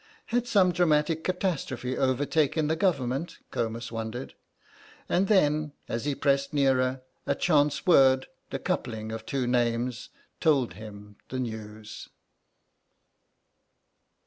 Had some dramatic catastrophe overtaken the Government, Comus wondered. And then, as he pressed nearer, a chance word, the coupling of two names, told him the news.